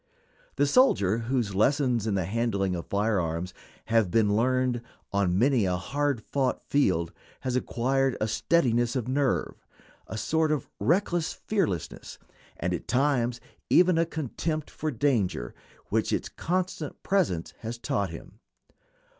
The soldier whose lessons in the handling of fire arms have been learned on many a hard fought field has acquired a steadiness of nerve, a sort of reckless fearlessness, and, at times, even a contempt for danger which its constant presence has taught him.